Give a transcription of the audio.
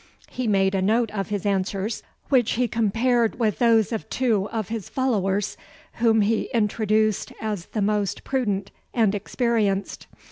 He made a note of his answers, which he compared with those of two of his followers, whom he introduced as the most prudent and experienced.